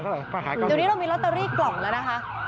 เดี๋ยวนี้เรามีลอตเตอรี่กล่องแล้วนะคะ